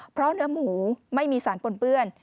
เพราะเนื้อหมูไม่มีสารปนเปื้อน